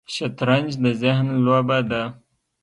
شطرنج د ذهن لوبه ده